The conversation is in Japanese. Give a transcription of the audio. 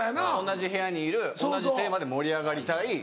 同じ部屋にいる同じテーマで盛り上がりたい。